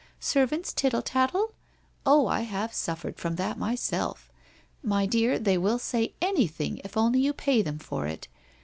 Servants' tittle tattle? Oh, I have suffered from that myself. My dear, they will say anything, if only you pay them for it.